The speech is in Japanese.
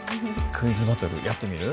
クイズバトルやってみる？